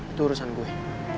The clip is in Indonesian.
itu urusan gue